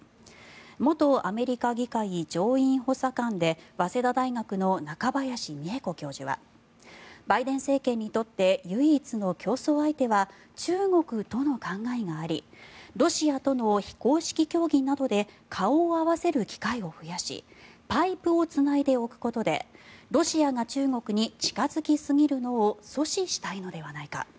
元アメリカ議会上院補佐官で早稲田大学の中林美恵子教授はバイデン政権にとって唯一の競争相手は中国との考えがありロシアとの非公式協議などで顔を合わせる機会を増やしパイプをつないでおくことでロシアが中国に近付きすぎるのを阻止したいのではないか。